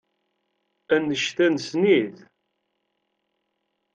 Annect-a nessen-it.